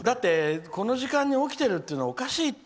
この時間に起きてるのはおかしいって。